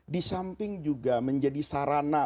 disamping juga menjadi sarana